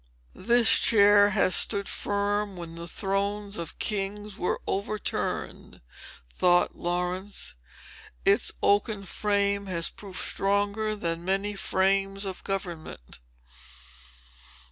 "This chair has stood firm when the thrones of kings were overturned!" thought Laurence. "Its oaken frame has proved stronger than many frames of government!"